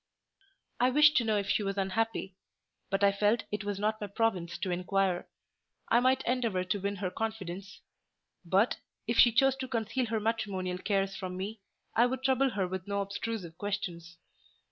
I wished to know if she was unhappy; but I felt it was not my province to inquire: I might endeavour to win her confidence; but, if she chose to conceal her matrimonial cares from me, I would trouble her with no obtrusive questions.